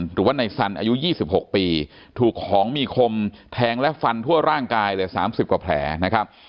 หรือว่าในสันอายุ๒๖ปีถูกของมีคมแทงและฟันทั่วร่างกายเลย๓๐กว่าแผลนะครับ